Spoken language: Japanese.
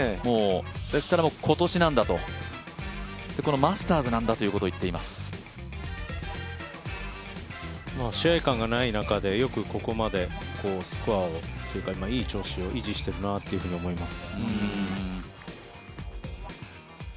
ですから今年なんだと、マスターズなんだということを言っています試合がない中でよくここまでスコアを、いい調子を維持しているなと思います。